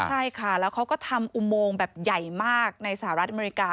ใช่ค่ะแล้วเขาก็ทำอุโมงแบบใหญ่มากในสหรัฐอเมริกา